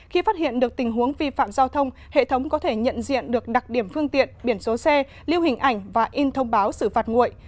khi phát hiện được tình huống vi phạm giao thông hệ thống có thể nhận diện được đặc điểm phương tiện biển số xe lưu hình ảnh và in thông báo xử phạt nguội